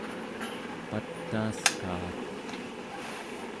pataaskaak